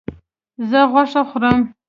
زه غوښه خورم